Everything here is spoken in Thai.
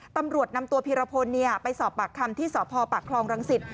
ตำรวจนำตัวพีรพลไปสอบปากคำที่สพปากคลองรังสิต